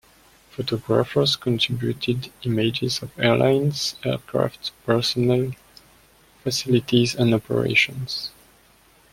Photographers contributed images of airlines, aircraft, personnel, facilities and operations.